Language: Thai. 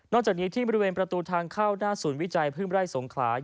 จากนี้ที่บริเวณประตูทางเข้าหน้าศูนย์วิจัยพึ่งไร่สงขลา